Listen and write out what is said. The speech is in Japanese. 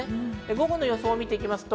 午後の予想を見ていきます。